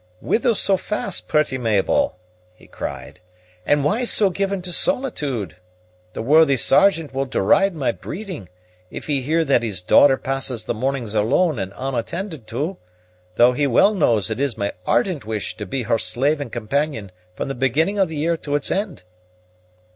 "Whither so fast, pretty Mabel?" he cried; "and why so given to solitude? The worthy Sergeant will deride my breeding, if he hear that his daughter passes the mornings alone and unattended to, though he well knows it is my ardent wish to be her slave and companion from the beginning of the year to its end."